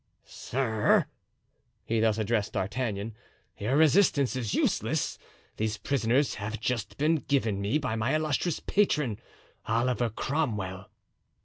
"Sir!" he thus addressed D'Artagnan, "your resistance is useless; these prisoners have just been given me by my illustrious patron, Oliver Cromwell."